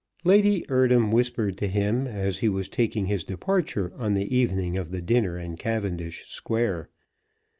Lady Eardham whispered to him as he was taking his departure on the evening of the dinner in Cavendish Square.